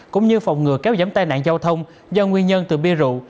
cũng như phòng ngừa kéo giảm tai nạn giao thông do nguyên nhân từ bia rượu